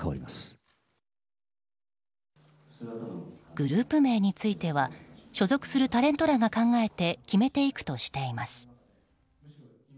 グループ名については所属するタレントらが考えて決めていくとしています。